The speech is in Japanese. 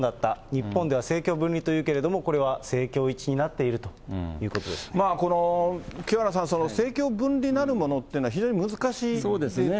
日本では政教分離というけれども、これは政教一致になっているとい清原さん、政教分離なるものっていうのは非常に難しいものなんですけどね。